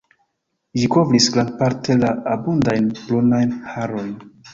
Ĝi kovris grandparte la abundajn brunajn harojn.